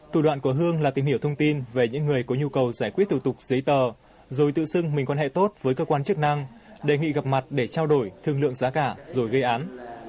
thủ đoạn của hương là tìm hiểu thông tin về những người có nhu cầu giải quyết thủ tục giấy tờ rồi tự xưng mình quan hệ tốt với cơ quan chức năng đề nghị gặp mặt để trao đổi thương lượng giá cả rồi gây án